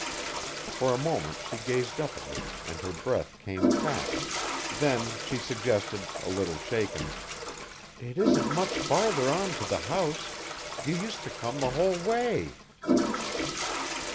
For a moment she gazed up at him and her breath came fast, then she suggested, a little shaken, "It isn't much farther on to the house. You used to come the whole way."